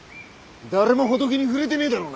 誰も仏に触れてねえだろうな。